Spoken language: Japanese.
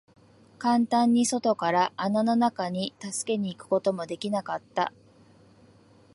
簡単に外から穴の中に助けに行くことも出来なかった。